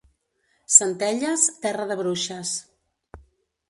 Centelles, terra de bruixes.